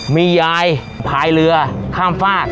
มียายพายเรือข้ามฝาก